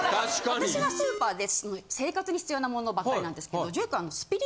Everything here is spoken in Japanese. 私はスーパーで生活に必要なものばっかりなんですけどＪＯＹくんは。